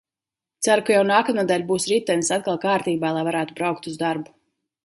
Ceru, ka jau nākamnedēļ būs ritenis atkal kārtībā, lai varētu braukt uz darbu.